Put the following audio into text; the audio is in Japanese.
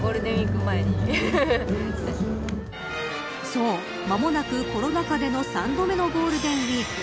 そう、間もなく、コロナ禍での３度目のゴールデンウイーク。